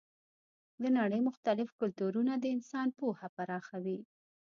د نړۍ مختلف کلتورونه د انسان پوهه پراخوي.